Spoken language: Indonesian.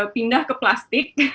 pindah ke plastik